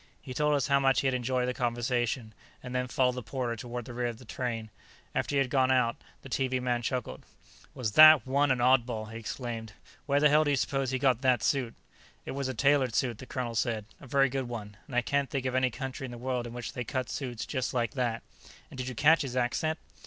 He told us how much he had enjoyed the conversation, and then followed the porter toward the rear of the train. After he had gone out, the TV man chuckled. "Was that one an oddball!" he exclaimed. "Where the hell do you suppose he got that suit?" "It was a tailored suit," the colonel said. "A very good one. And I can't think of any country in the world in which they cut suits just like that. And did you catch his accent?"